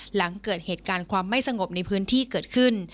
หลังเกิดเหตุการณ์ความไม่สงบในพื้นที่เกิดขึ้น